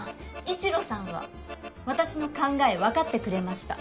一路さんは私の考え分かってくれました。